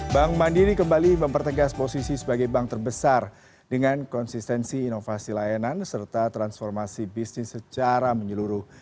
bank mandiri kembali mempertegas posisi sebagai bank terbesar dengan konsistensi inovasi layanan serta transformasi bisnis secara menyeluruh